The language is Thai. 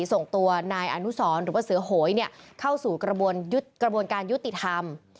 ส่งตัวนายอนุสรหรือว่าเสือโหยเข้าสู่กระบวนการยุติธรรม